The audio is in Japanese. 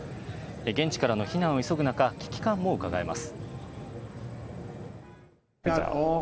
現地からの避難を急ぐ中、危機感もうかがえます。